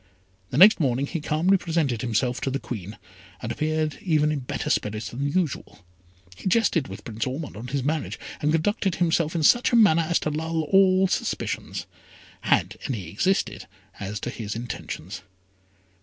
The next morning he calmly presented himself to the Queen, and appeared even in better spirits than usual. He jested with Prince Ormond on his marriage, and conducted himself in such a manner as to lull all suspicions, had any existed as to his intentions.